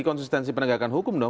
konsistensi penegakan hukum dong